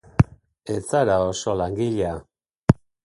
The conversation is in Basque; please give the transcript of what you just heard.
Ez zara oso langilea.